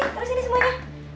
terus sini semuanya